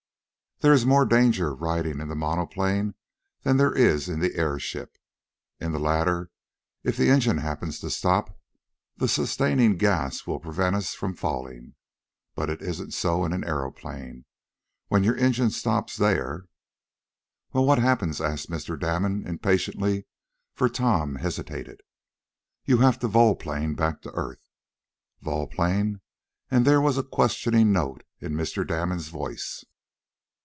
There is more danger riding in the monoplane than there is in the airship. In the latter, if the engine happens to stop, the sustaining gas will prevent us from falling. But it isn't so in an aeroplane. When your engine stops there " "Well, what happens?" asked Mr. Damon, impatiently, for Tom hesitated. "You have to vol plane back to earth." "Vol plane?" and there was a questioning note in Mr. Damon's voice.